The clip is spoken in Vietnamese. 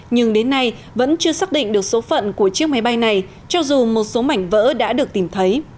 nhưng đến nay vẫn chưa xác định được số phận của chiếc máy bay này cho dù một số mảnh vỡ đã được tìm thấy